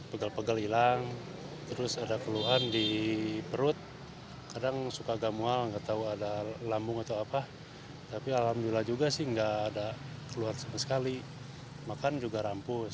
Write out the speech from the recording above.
pegal pegal kadang kalau malam agak susah tidur